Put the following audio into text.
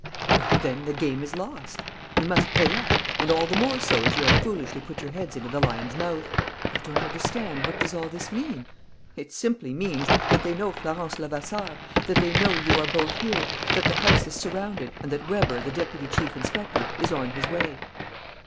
"Well, then, the game is lost. You must pay up; and all the more so as you have foolishly put your heads into the lion's mouth." "I don't understand. What does all this mean?" "It simply means that they know Florence Levasseur, that they know you are both here, that the house is surrounded, and that Weber, the deputy chief detective, is on his way."